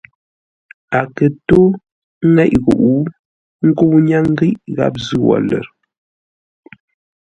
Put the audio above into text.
A kə̂ ntó nŋéʼ ghuʼu, ə́ nkə́u ńnyáŋ ghíʼ gháp zʉ́ wo lə̌r.